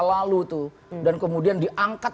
lalu tuh dan kemudian diangkat